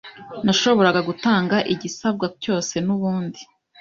Nashoboraga gutanga igisabwa cyose n'ubundi